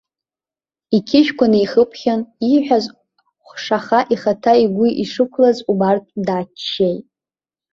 Иқьышәқәа неихыԥхьан, ииҳәаз хәшаха ихаҭа игәы ишықәлаз убартә дааччеит.